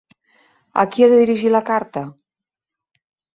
A qui he de dirigir la carta?